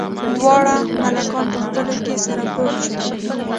دواړه ملکان په خپلو کې سره پوه شول.